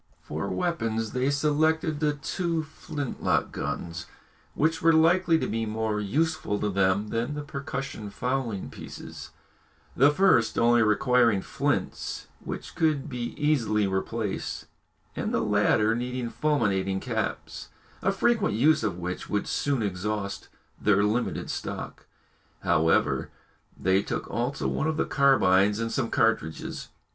For weapons they selected the two flint lock guns, which were likely to be more useful to them than the percussion fowling pieces, the first only requiring flints which could be easily replaced, and the latter needing fulminating caps, a frequent use of which would soon exhaust their limited stock. However, they took also one of the carbines and some cartridges.